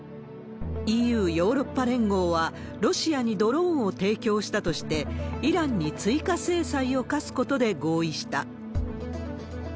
ＥＵ・ヨーロッパ連合は、ロシアにドローンを提供したとして、イランに追加制裁を科すことで合意した。